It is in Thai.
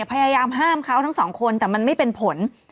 พยายามห้ามเขาทั้งสองคนแต่มันไม่เป็นผล